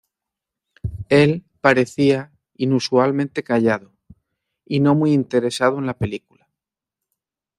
Él parecía inusualmente callado... y no muy interesado en la película.